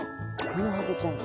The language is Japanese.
クモハゼちゃん。